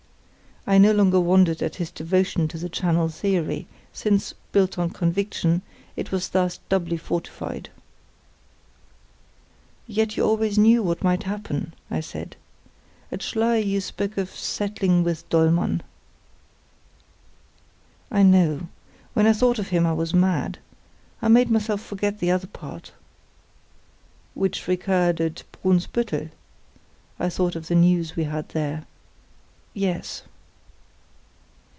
I no longer wondered at his devotion to the channel theory, since, built on conviction, it was thus doubly fortified. "Yet you always knew what might happen," I said. "At Schlei you spoke of 'settling with' Dollmann." "I know. When I thought of him I was mad. I made myself forget the other part." "Which recurred at Brunsbüttel?" I thought of the news we had there. "Yes."